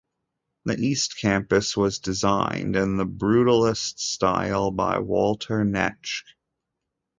The East Campus was designed in the brutalist style by Walter Netsch.